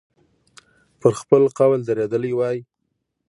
پر خپل قول درېدلی وای.